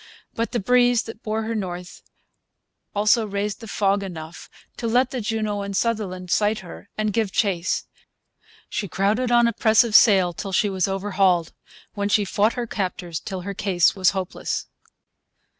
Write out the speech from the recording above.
But the breeze that bore her north also raised the fog enough to let the Juno and Sutherland sight her and give chase. She crowded on a press of sail till she was overhauled, when she fought her captors till her case was hopeless.